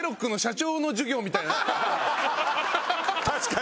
確かに。